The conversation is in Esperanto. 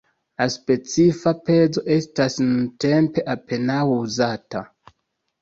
La specifa pezo estas nuntempe apenaŭ uzata.